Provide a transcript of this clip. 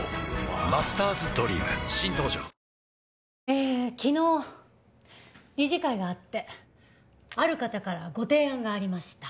えー昨日理事会があってある方からご提案がありました。